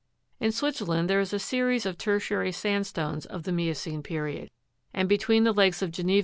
In Switzerland there is a series of tertiary sandstones of the miocene period ; and between the lakes of Geneva and Lu 15.